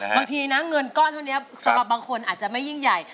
บางทีนะเงินก้อนเท่านี้สำหรับบางคนอาจจะไม่ยิ่งใหญ่